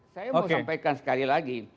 saya mau sampaikan sekali lagi